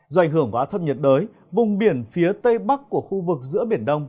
do ảnh hưởng của áp thấp nhiệt đới vùng biển phía tây bắc của khu vực giữa biển đông